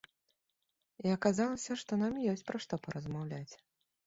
І аказалася, што нам ёсць пра што паразмаўляць.